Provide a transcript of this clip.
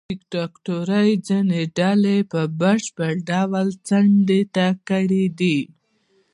دیکتاتورۍ ځینې ډلې په بشپړ ډول څنډې ته کړې دي.